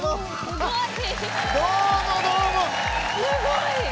すごい！